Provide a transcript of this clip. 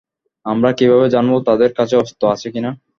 আমরা কিভাবে জানবো তাদের কাছে অস্ত্র আছে কিনা?